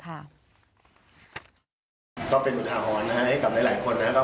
ก็เป็นปัญหาหอนนะครับให้กลับหลายคนนะครับ